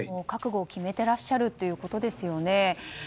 覚悟を決めてらっしゃるということですよね。